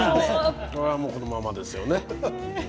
これもこのままですよね。